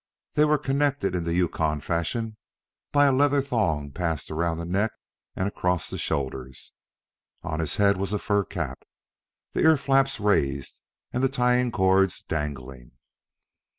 They were connected in the Yukon fashion, by a leather thong passed around the neck and across the shoulders. On his head was a fur cap, the ear flaps raised and the tying cords dangling.